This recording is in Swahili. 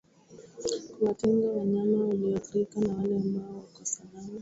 Kuwatenga wanyama walioathirika na wale ambao wako salama